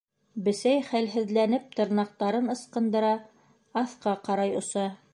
Бесәй, хәлһеҙләнеп, тырнаҡтарын ысҡындыра, аҫҡа ҡарай оса.